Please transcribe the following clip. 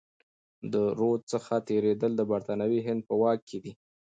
د رود څخه تیریدل د برتانوي هند په واک کي دي.